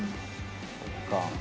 そっか。